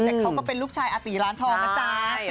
แต่เขาก็เป็นลูกชายอาตีร้านทองนะจ๊ะ